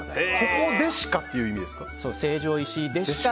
「ここでしか」っていう意味ですか？